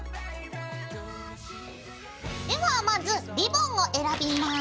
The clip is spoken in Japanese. ではまずリボンを選びます。